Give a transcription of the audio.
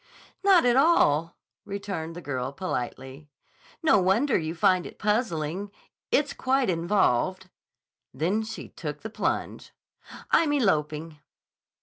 "Not at all," returned the girl politely. "No wonder you find it puzzling. It's quite involved." Then she took the plunge. "I'm eloping."